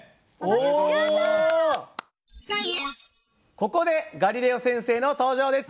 ここでガリレオ先生の登場です。